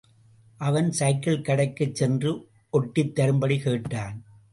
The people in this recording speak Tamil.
அவன் சைக்கிள் கடைக்குச் சென்று ஒட்டித்தரும்படி கேட்டான்.